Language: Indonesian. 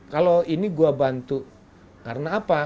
kalau ini gua bantu karena apa